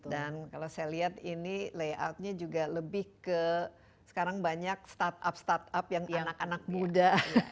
dan kalau saya lihat ini layoutnya juga lebih ke sekarang banyak startup startup yang anak anak muda